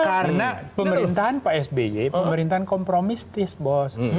karena pemerintahan pak sby pemerintahan kompromistis bos